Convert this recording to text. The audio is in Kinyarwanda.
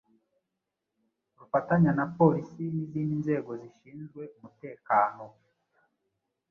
rufatanya na Polisi n’izindi nzego zishinzwe umutekano